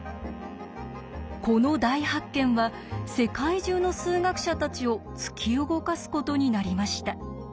この大発見は世界中の数学者たちを突き動かすことになりました。